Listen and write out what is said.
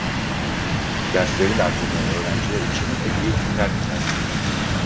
Derslerin ardından öğrenciler için ek eğitimler düzenlenir.